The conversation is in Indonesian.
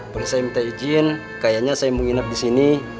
boleh saya minta izin kayaknya saya mau nginep di sini